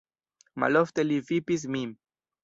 Malofte li vipis min.